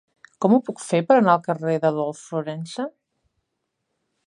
Com ho puc fer per anar al carrer d'Adolf Florensa?